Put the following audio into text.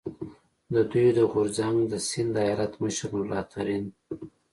د دوی د غورځنګ د سیند ایالت مشر نور الله ترین،